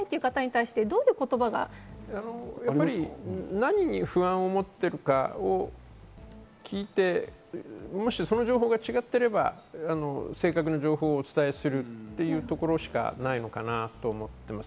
何に不安を持っているかを聞いて、その情報が違っていれば正確な情報をお伝えするというところしかないのかなと思います。